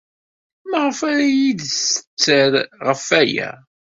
Maɣef ara iyi-d-tetter ɣef waya?